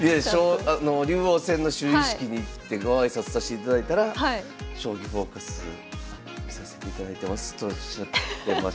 竜王戦の就位式に行ってご挨拶さしていただいたら「『将棋フォーカス』見させていただいてます」とおっしゃってましたよ。